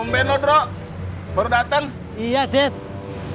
saya tadi bikin para enggak track